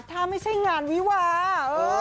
ถ้าไม่ใช่งานวิวา